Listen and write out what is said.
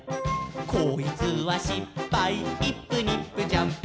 「こいつはしっぱいイップニップジャンプ」